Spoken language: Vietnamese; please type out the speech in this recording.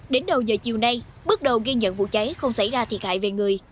đến đầu giờ chiều nay bước đầu ghi nhận vụ cháy không xảy ra thiệt hại về người